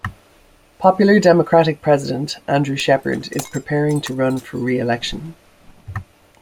Popular Democratic President Andrew Shepherd is preparing to run for re-election.